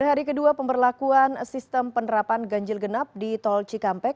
hari kedua pemberlakuan sistem penerapan ganjil genap di tol cikampek